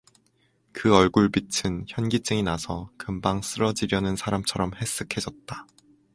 그 얼굴빛은 현기증이 나서 금방 쓰러지려는 사람처럼 해쓱 해졌다.